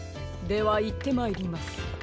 ではいってまいります。